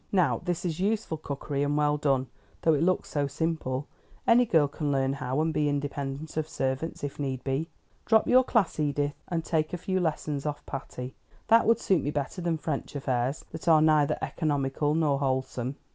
"Now this is useful cookery, and well done, though it looks so simple. Any girl can learn how and be independent of servants, if need be. Drop your class, Edith, and take a few lessons of Patty. That would suit me better than French affairs, that are neither economical nor wholesome."